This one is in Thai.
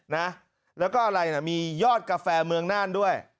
นะแล้วก็อะไรน่ะมียอดกาแฟเมืองน่านด้วย